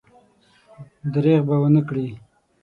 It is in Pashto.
درېغ به ونه کړي.